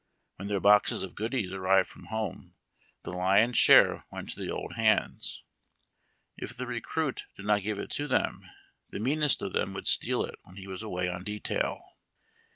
When their boxes of goodies arrived from home, the lion's share went to the old hands. If tlie recruit did not give it to them, the meanest of them would steal it when he was away on detail.